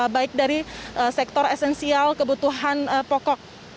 baik dari sektor esensial kebutuhan pokok